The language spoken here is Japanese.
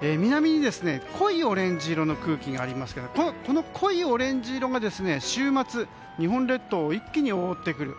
南に濃いオレンジ色の空気がありますけどこの濃いオレンジ色が週末、日本列島を一気に覆ってくる。